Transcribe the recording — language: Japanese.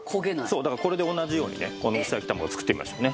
そうだからこれで同じようにねこの薄焼き卵を作ってみましょうね。